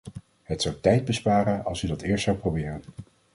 Het zou tijd besparen als u dat eerst zou proberen.